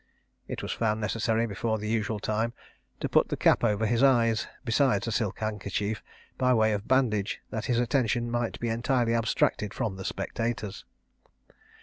It was found necessary, before the usual time, to put the cap over his eyes, besides a silk handkerchief, by way of bandage, that his attention might be entirely abstracted from the spectators.